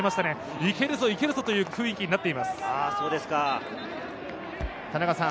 いけるぞ、いけるぞという雰囲気になっています。